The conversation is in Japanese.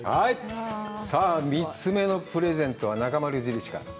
さあ、３つ目のプレゼントは「なかまる印」から。